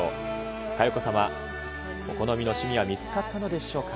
佳代子様、お好みの趣味は見つかったのでしょうか。